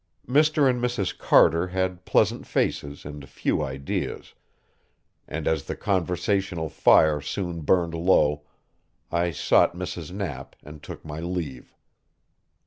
Mr. and Mrs. Carter had pleasant faces and few ideas, and as the conversational fire soon burned low I sought Mrs. Knapp and took my leave.